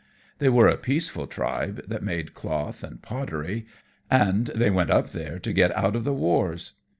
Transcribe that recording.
They were a peaceful tribe that made cloth and pottery, and they went up there to get out of the wars.